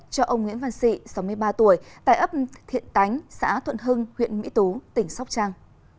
cho ông nguyễn văn sị sáu mươi ba tuổi tại ấp thiện tánh xã thuận hưng huyện mỹ tú tỉnh sóc trăng